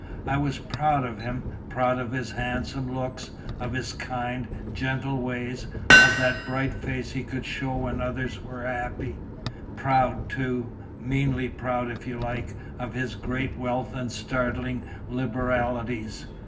I was proud of him; proud of his handsome looks, of his kind, gentle ways, of that bright face he could show when others were happy; proud, too (meanly proud, if you like) of his great wealth and startling liberalities.